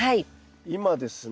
今ですね